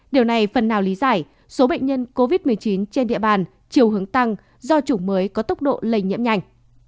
điều này phần nào lý giải số bệnh nhân covid một mươi chín trên địa bàn chiều hướng tăng do chủng mới có tốc độ lây nhiễm nhanh